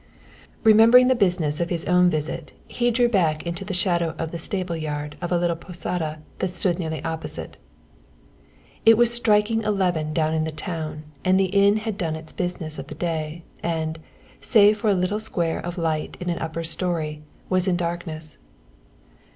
Remembering the business of his own visit he drew back into the shadow of the stable yard of a little posada that stood nearly opposite. It was striking eleven down in the town and the inn had done its business of the day, and, save for a little square of light in an upper storey, was in darkness.